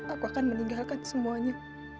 aku akan meninggalkan semuanya